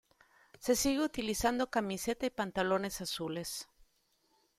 Se sigue utilizando camiseta y pantalones azules.